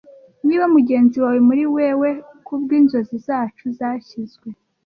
niba mugenzi wawe muri wewe kubwinzozi zacu zashyizwe